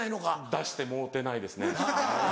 出してもろうてないですね。